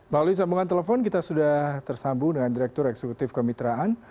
melalui sambungan telepon kita sudah tersambung dengan direktur eksekutif kemitraan